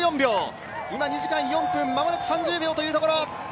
今２時間４分、間もなく３０秒というところ。